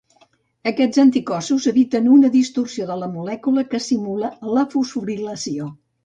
Aquests anticossos eviten una distorsió de la molècula que simula la fosforilació.